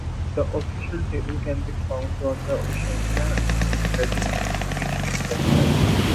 The official table can be found on the Oceania Athletics Association website.